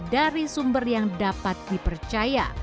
dari sumber yang dapat dipercaya